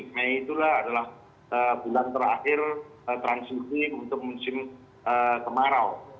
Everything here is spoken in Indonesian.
mei itulah adalah bulan terakhir transisi untuk musim kemarau